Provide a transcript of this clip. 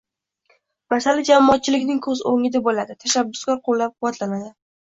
masala jamoatchilikning ko‘z o‘ngida bo‘ladi, tashabbuslar qo‘llab-quvvatlanadi.